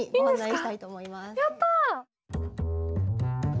やった！